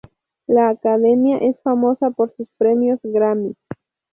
La Academia es famosa por sus premios Grammy.